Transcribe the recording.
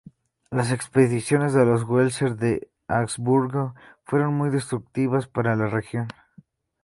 Las expediciones de los Welser de Augsburgo fueron muy destructivas para la región.